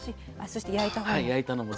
そして焼いた方も。